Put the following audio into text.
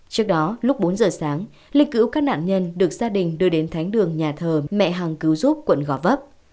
trước đó lúc bốn h sáng linh cử các nạn nhân được gia đình đưa đến thánh đường nhà thờ mẹ hằng cứu giúp quận gò vấp